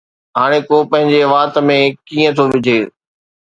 ھاڻي ڪو پنھنجي وات ۾ ڪيئن ٿو وجھي؟